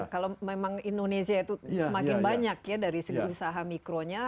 kalau memang indonesia itu semakin banyak ya dari segi usaha mikronya